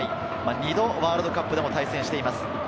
２度ワールドカップでも対戦しています。